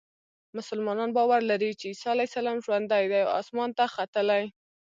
مسلمانان باور لري چې عیسی علیه السلام ژوندی دی او اسمان ته ختلی.